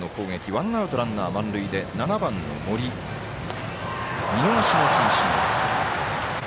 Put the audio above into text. ワンアウト、ランナー満塁で７番、森が見逃し三振。